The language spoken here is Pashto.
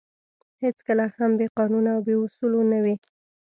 هېڅکله هم بې قانونه او بې اُصولو نه وې.